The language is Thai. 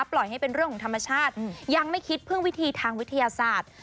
ปล่อยให้เป็นเรื่องของธรรมชาติยังไม่คิดพึ่งวิธีทางวิทยาศาสตร์